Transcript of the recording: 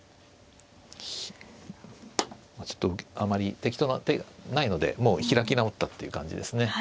ちょっとあまり適当な手がないのでもう開き直ったっていう感じですね。